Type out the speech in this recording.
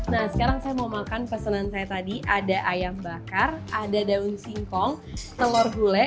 nah sekarang saya mau makan pesanan saya tadi ada ayam bakar ada daun singkong telur gulai